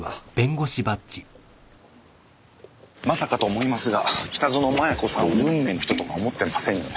まさかと思いますが北薗摩耶子さんを運命の人とか思ってませんよね？